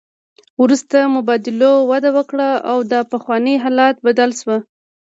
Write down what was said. وروسته مبادلو وده وکړه او دا پخوانی حالت بدل شو